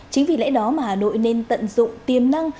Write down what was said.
chính vì lẽ đó mà hà nội nên tận dụng tiềm năng